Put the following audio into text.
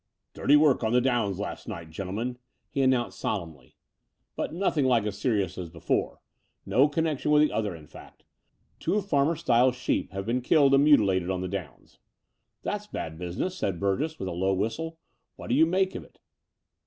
"Dirty work on the downs last night, gentle men," he announced solemnly, "but nothing like Between London and Cljrmplng 169 as serious as before — ^no connection with the other in fact. Two of Farmer Stiles's sheep have been killed and mutilated on the downs." "That's bad business," said Burgess, with a low whistle. *'What do you make of it?"